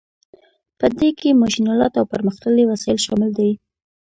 په دې کې ماشین الات او پرمختللي وسایل شامل دي.